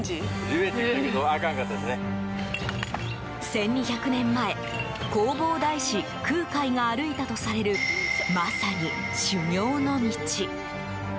１２００年前弘法大師・空海が歩いたとされるまさに修行の道。